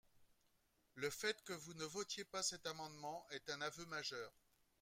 Le fait que vous ne votiez pas cet amendement est un aveu majeur